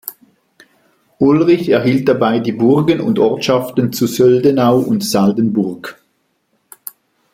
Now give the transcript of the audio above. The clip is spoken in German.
Ulrich erhielt dabei die Burgen und Ortschaften zu Söldenau und Saldenburg.